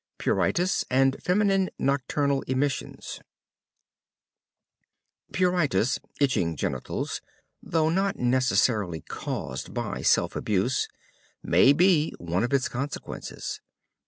PRURITIS AND FEMININE NOCTURNAL EMISSIONS Pruritis (itching genitals), though not necessarily caused by self abuse, may be one of its consequences.